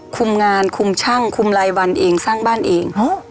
คุมงานคุมช่างคุมรายวันเองสร้างบ้านเอง